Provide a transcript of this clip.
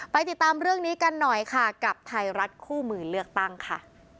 ติดตามเรื่องนี้กันหน่อยค่ะกับไทยรัฐคู่มือเลือกตั้งค่ะ